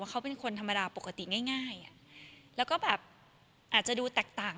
เขาเป็นคนธรรมดาปกติง่ายแล้วก็แบบอาจจะดูแตกต่าง